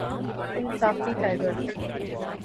انصافی ٹائگر